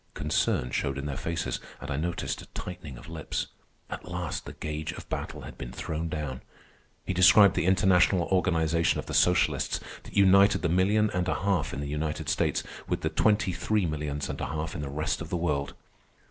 Concern showed in their faces, and I noticed a tightening of lips. At last the gage of battle had been thrown down. He described the international organization of the socialists that united the million and a half in the United States with the twenty three millions and a half in the rest of the world.